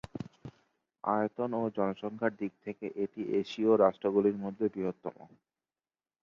আয়তন ও জনসংখ্যার দিকে থেকে এটি ককেশীয় রাষ্ট্রগুলির মধ্যে বৃহত্তম।